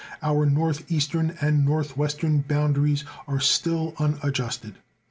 Our north eastern and north western boundaries are still unadjusted.